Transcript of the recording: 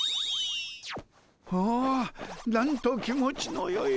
おおなんと気持ちのよい。